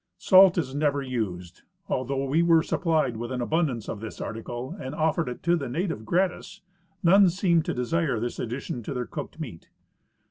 Salt is never used. Although we Avere supplied with an abun dance of this article and offered it to the natives gratis, none seem'ed to desire this addition to their cooked meat'.